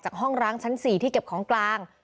ห้องร้างชั้น๔ที่เก็บของกลาง